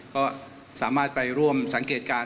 ก็สามารถไปร่วมสังเกตการณ